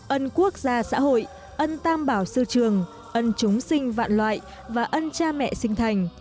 ân quốc gia xã hội ân tam bảo sư trường ân chúng sinh vạn loại và ân cha mẹ sinh thành